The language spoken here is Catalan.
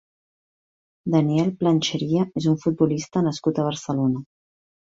Daniel Planchería és un futbolista nascut a Barcelona.